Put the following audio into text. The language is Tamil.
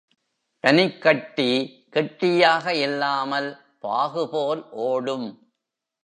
பனிக்கட்டி கெட்டியாக இல்லாமல், பாகுபோல் ஓடும்.